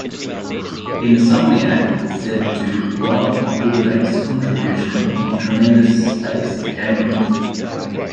Insomniac was said to "love the Blu-ray's contribution of tremendous space to gaming".